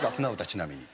ちなみに。